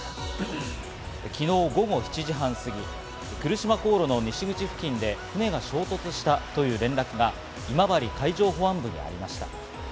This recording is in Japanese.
昨日午後７時半過ぎ、来島航路の西口付近で船が衝突したという連絡が今治海上保安部にありました。